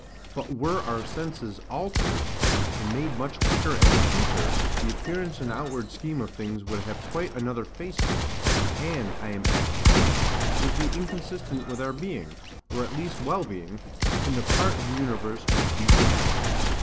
But were our senses altered, and made much quicker and acuter, the appearance and outward scheme of things would have quite another face to us; and, I am apt to think, would be inconsistent with our being, or at least wellbeing, in the part of the universe which we inhabit.